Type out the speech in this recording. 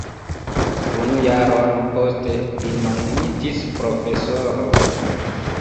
Unu jaron poste li nomumitis profesoro.